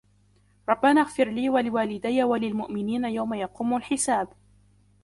ربنا اغفر لي ولوالدي وللمؤمنين يوم يقوم الحساب